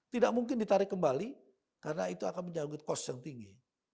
tidak mungkin ditarik kembali karena itu akan menyangkut kos yang tinggi